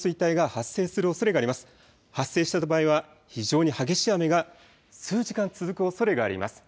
発生した場合は非常に激しい雨が数時間、続くおそれがあります。